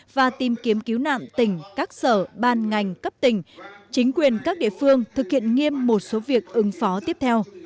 và tìm kiếm cứu nạn tỉnh các sở ban ngành cấp tỉnh chính quyền các địa phương thực hiện nghiêm một số việc ứng phó tiếp theo